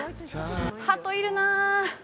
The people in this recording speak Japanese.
ハトいるな。